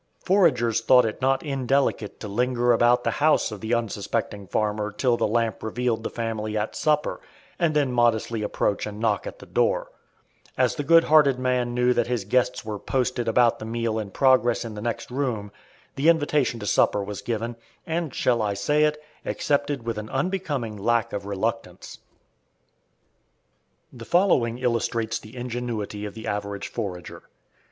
Foragers thought it not indelicate to linger about the house of the unsuspecting farmer till the lamp revealed the family at supper, and then modestly approach and knock at the door. As the good hearted man knew that his guests were "posted" about the meal in progress in the next room, the invitation to supper was given, and, shall I say it, accepted with an unbecoming lack of reluctance. The following illustrates the ingenuity of the average forager.